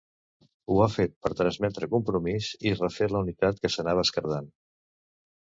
Ho ha fet per transmetre compromís i refer la unitat que s’anava esquerdant.